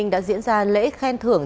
đã diễn ra lễ khen thưởng